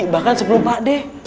bahkan sebelum pak deh